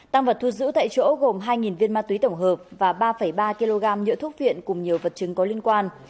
tăng vật thu giữ tại chỗ gồm hai viên ma túy tổng hợp và ba ba kg nhựa thuốc viện cùng nhiều vật chứng có liên quan